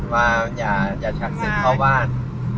บ้านอย่าชักเสร็จเข้าบ้าน